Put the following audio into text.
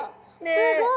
すごい。